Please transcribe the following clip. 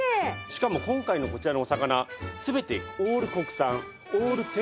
しかも今回のこちらのお魚全てオール国産オール天然のものなんです。